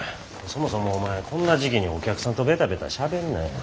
そもそもお前こんな時期にお客さんとベタベタしゃべんなや。